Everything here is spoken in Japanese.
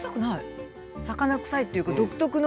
魚臭いっていうか独特の。